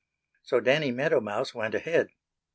So Danny Meadow Mouse went ahead.